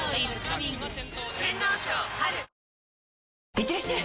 いってらっしゃい！